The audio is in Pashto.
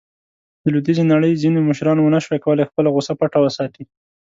د لویدیځې نړۍ ځینو مشرانو ونه شو کولاې خپله غوصه پټه وساتي.